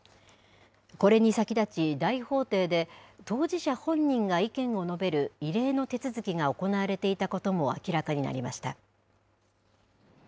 これに先立ち、大法廷で当事者本人が意見を述べる異例の手続きが行われていたことも明らかになりました。